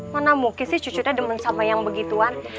mana mungkin cucu tuh demen sama yang begituan